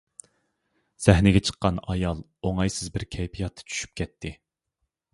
سەھنىگە چىققان ئايال ئوڭايسىز بىر كەيپىياتتا چۈشۈپ كەتتى.